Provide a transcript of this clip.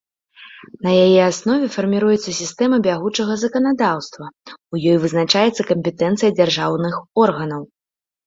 На яе аснове фарміруецца сістэма бягучага заканадаўства, у ёй вызначаецца кампетэнцыя дзяржаўных органаў.